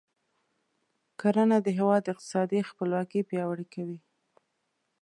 کرنه د هیواد اقتصادي خپلواکي پیاوړې کوي.